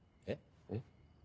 え？